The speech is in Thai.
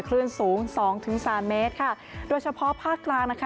ขลื่นสูง๒๓เมตรค่ะโดยเฉพาะภาคกลางนะคะ